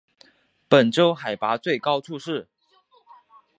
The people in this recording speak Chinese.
本州海拔最高处是。